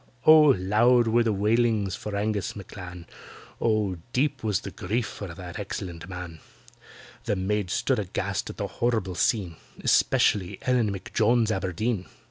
Oh! loud were the wailings for ANGUS M'CLAN, Oh! deep was the grief for that excellent man; The maids stood aghast at the horrible scene— Especially ELLEN M'JONES ABERDEEN.